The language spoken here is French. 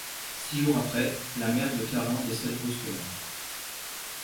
Six jours après, la mère de Carin décède brusquement.